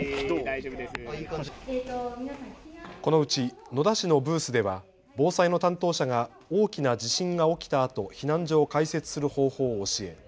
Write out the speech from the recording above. このうち野田市のブースでは防災の担当者が大きな地震が起きたあと避難所を開設する方法を教え